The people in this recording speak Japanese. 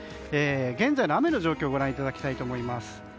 現在の雨の状況をご覧いただきます。